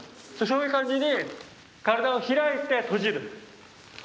そういう感じに身体を開いて閉じる。